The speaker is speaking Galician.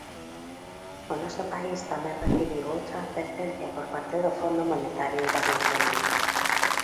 O noso país tamén recibiu outra advertencia por parte do Fondo Monetario Internacional.